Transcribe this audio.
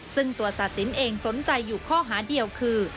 ซึ่งตัวศาสินเองสนใจอยู่ข้อหาเดียวคือ